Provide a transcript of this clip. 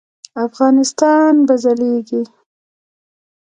افغانستان به ځلیږي؟